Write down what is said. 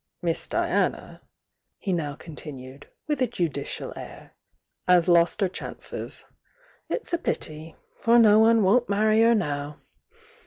"Miss Diana," he now continued, with a judicial air "has lost her chances. It's a pity!— for no one won't marry her now.